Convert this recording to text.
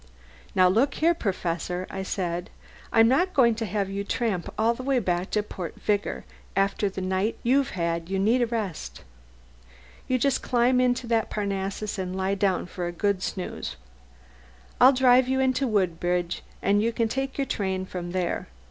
"Now look here, Professor," I said, "I'm not going to have you tramp all the way back to Port Vigor. After the night you've had you need a rest. You just climb into that Parnassus and lie down for a good snooze. I'll drive you into Woodbridge and you can take your train there.